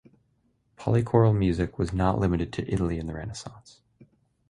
Polychoral music was not limited to Italy in the Renaissance.